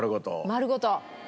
丸ごと？